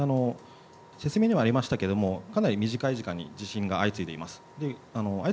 説明にもありましたけれどかなり短い時間に地震が相次いでいます。